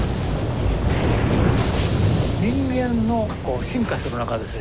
人間の進化する中でですね